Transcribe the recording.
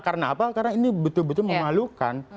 karena apa karena ini betul betul memalukan